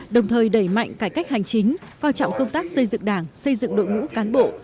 đồng thời đẩy mạnh cải cách hành chính coi trọng công tác xây dựng đảng xây dựng đội ngũ cán bộ